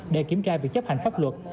để kiểm tra việc chấp hành pháp luật